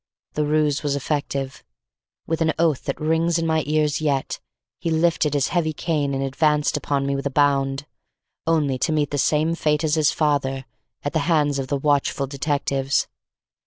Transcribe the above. The ruse was effective. With an oath that rings in my ears yet, he lifted his heavy cane and advanced upon me with a bound, only to meet the same fate as his father at the hands of the watchful detectives.